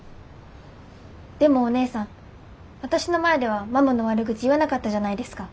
でもおねえさん私の前ではママの悪口言わなかったじゃないですか。